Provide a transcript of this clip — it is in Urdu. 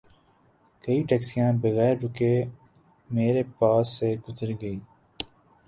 کئی ٹیکسیاں بغیر رکے میر پاس سے گزر گئیں